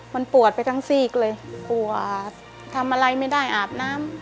มันปวดไปทั้งซีกเลยปวดทำอะไรไม่ได้อาบน้ำ